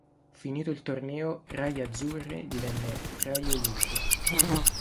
Finito il torneo, "Rai Azzurri" divenne "Rai Olimpia".